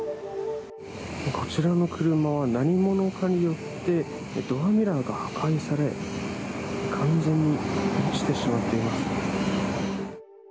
こちらの車は、何者かによってドアミラーが破壊され完全に落ちてしまっています。